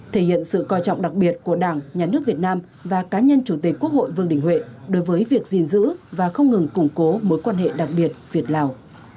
thể hiện sự coi trọng đặc biệt của đảng nhà nước việt nam và cá nhân chủ tịch quốc hội vương đình huệ đối với việc gìn giữ và không ngừng củng cố mối quan hệ đặc biệt việt lào